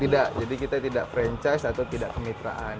tidak jadi kita tidak franchise atau tidak kemitraan